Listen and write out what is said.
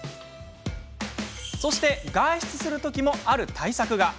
そして、外出する時もある対策が。